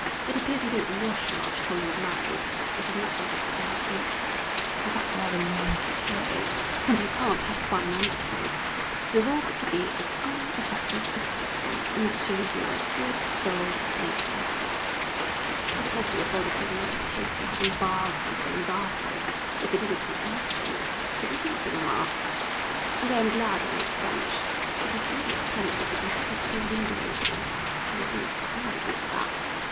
It appears you don't wash much till you are married, it is not considered bien vu, in fact rather lancé, and you can't have fine under clothes, it has all got to be as unattractive as possible, and that shows you are as good as gold and will make a nice wife. [Sidenote: The Trouville Casino] But it must be a bother picking up a taste for having baths and things afterwards, if it isn't from instinct, don't you think so, Mamma? And I am glad I am not French. It is even eccentric if you sleep with your window open; Héloise screamed at me for that.